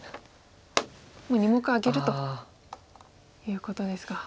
もう２目あげるということですか。